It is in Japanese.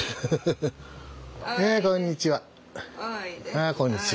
あこんにちは。